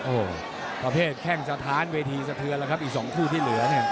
โอ้โหประเภทแข้งสถานเวทีสะเทือนแล้วครับอีก๒คู่ที่เหลือเนี่ย